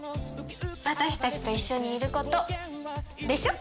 私たちと一緒にいることでしょ？